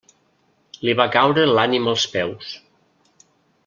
Li va caure l'ànima als peus.